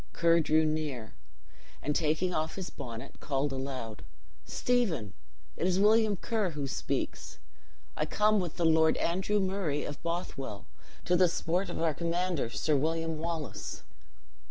Ker drew near, and taking off his bonnet, called aloud: "Stephen! it is William Ker who speaks. I come with the Lord Andrew Murray of Bothwell, to the support of our commander, Sir William Wallace."